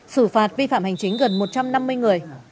xử phạt vi phạm hành chính gần một trăm năm mươi người